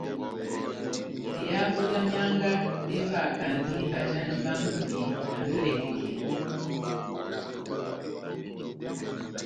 Behavo bia mianga bevahakandi bajandi bá ngudi na dolè kèkèi.